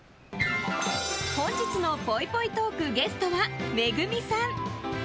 本日のぽいぽいトークゲストは、ＭＥＧＵＭＩさん。